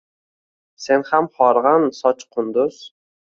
Sen ham horg’in, sochi qunduz